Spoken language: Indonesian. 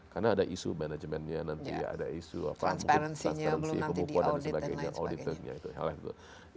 karena ada isu manajemennya nanti ada isu apa mungkin transparansinya belum nanti di audit dan lain sebagainya